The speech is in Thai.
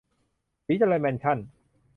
ศรีเจริญแมนชั่น